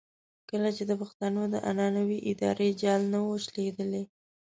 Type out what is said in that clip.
کله چې د پښتنو د عنعنوي ادارې جال نه وو شلېدلی.